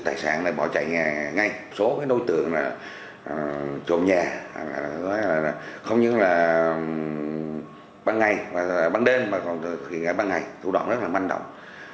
tài sản bỏ chạy ngay số nối tượng trộm nhà không những là ban ngày ban đêm mà còn là ban ngày tủ đoạn rất là manh động